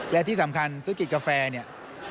และที่สำคัญธุรกิจกาแฟเนี่ย